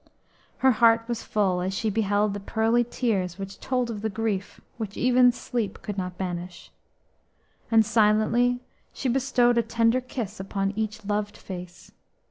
Her heart was full as she beheld the pearly tears which told of the grief which even sleep could not banish, and silently she bestowed a tender kiss upon each loved face.